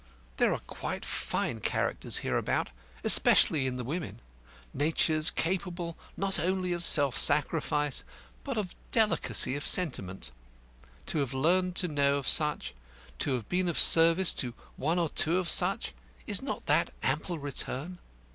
There are quite fine characters hereabout especially in the women natures capable not only of self sacrifice, but of delicacy of sentiment. To have learnt to know of such, to have been of service to one or two of such is not this ample return?